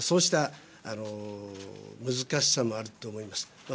そうした難しさもあると思います。